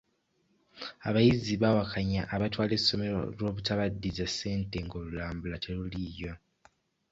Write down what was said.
Abayizi baawakanya abatwala essomero olwobutabaddiza ssente ng'olulambula teruliiyo.